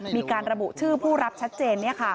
มีการระบุชื่อผู้รับชัดเจน